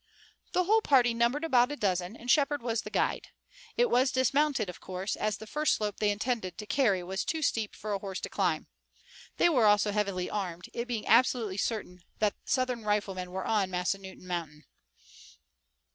The whole party numbered about a dozen, and Shepard was the guide. It was dismounted, of course, as the first slope they intended to carry was too steep for a horse to climb. They were also heavily armed, it being absolutely certain that Southern riflemen were on Massanutton Mountain.